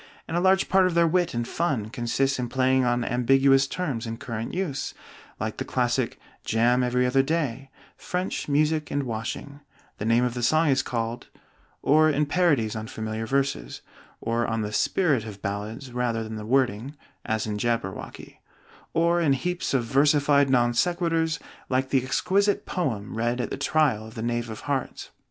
and a large part of their wit and fun consists in plays on ambiguous terms in current use, like the classic "jam every other day," "French, music, and washing," "The name of the song is called " or in parodies on familiar verses (or on the spirit of ballads rather than the wording, as in 'Jabberwocky'), or in heaps of versified non sequiturs, like the exquisite "poem" read at the trial of the Knave of Hearts.